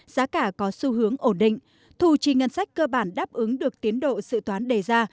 giá cả có xu hướng ổn định thù trì ngân sách cơ bản đáp ứng được tiến độ sự toán đề ra